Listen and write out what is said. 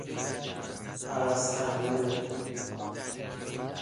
پرستنده